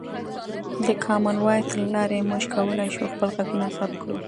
د کامن وایس له لارې موږ کولی شو خپل غږونه ثبت کړو.